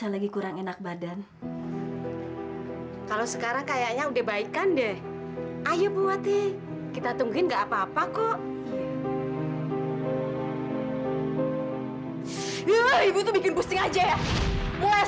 apa yang kamu rasakan semua ini semua